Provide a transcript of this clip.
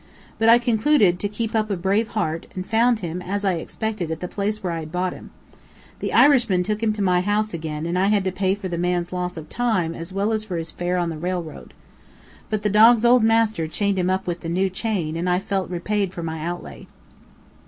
But I concluded to keep up a brave heart, and found him, as I expected, at the place where I had bought him. The Irishman took him to my house again and I had to pay for the man's loss of time as well as for his fare on the railroad. But the dog's old master chained him up with the new chain and I felt repaid for my outlay.